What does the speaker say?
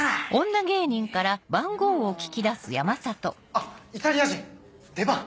あっ「イタリア人」出番！